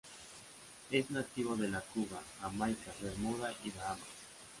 Es nativo de las Cuba, Jamaica, Bermuda y Bahamas.